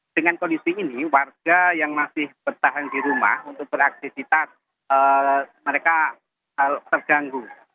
dengan kondisi ini warga yang masih bertahan di rumah untuk beraktivitas mereka terganggu